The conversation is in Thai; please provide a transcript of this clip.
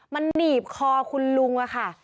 มันหนีบคอคุณลุงอะค่ะ